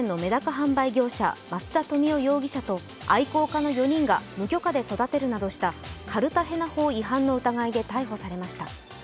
販売業者増田富男容疑者と愛好家の４人が無許可で育てるなどしてカルタヘナ法違反の疑いで逮捕されました。